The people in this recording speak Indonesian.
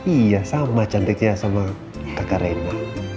iya sama cantiknya sama kakak reina